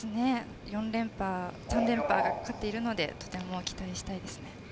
３連覇がかかっているので期待したいです。